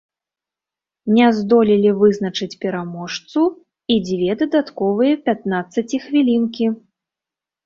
Не здолелі вызначыць пераможцу і дзве дадатковыя пятнаццаціхвілінкі.